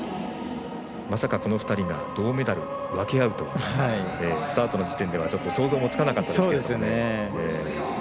まさかこの２人が銅メダルを分け合うとはスタートの時点では想像もつかなかったですが。